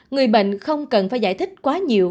người bệnh không cần phải giải thích quá nhiều